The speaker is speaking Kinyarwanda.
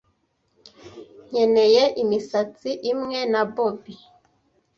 Nkeneye imisatsi imwe na bobby.